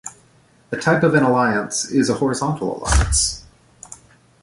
A type of an alliance is a horizontal alliance.